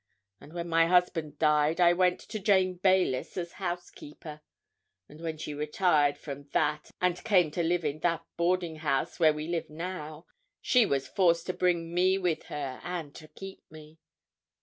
And when my husband died I went to Jane Baylis as housekeeper, and when she retired from that and came to live in that boarding house where we live now, she was forced to bring me with her and to keep me.